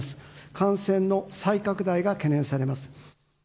感染の再拡大が懸念されます。